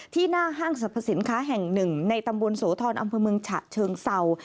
หน้าห้างสรรพสินค้าแห่งหนึ่งในตำบลโสธรอำเภอเมืองฉะเชิงเศร้า